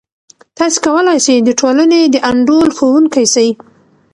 تاسې کولای سئ د ټولنې د انډول ښوونکی سئ.